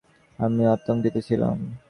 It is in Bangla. আমি আতঙ্কিত ছিলাম।